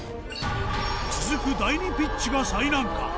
続く第２ピッチが最難関。